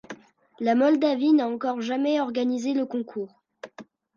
La Moldavie n'a encore jamais organisé le concours.